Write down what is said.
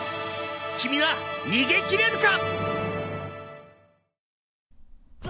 君は逃げ切れるか！？